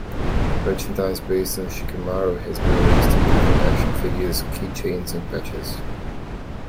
Merchandise based on Shikamaru has been released, including action figures, key chains, and patches.